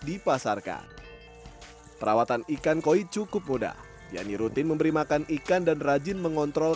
dipasarkan perawatan ikan koi cukup mudah yani rutin memberi makan ikan dan rajin mengontrol